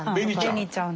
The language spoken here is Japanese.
ベニちゃん。